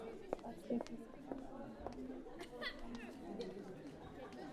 Bafite terefone iruhande rw'igitanda cyabo.